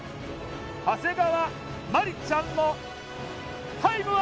長谷川真理ちゃんのタイムは？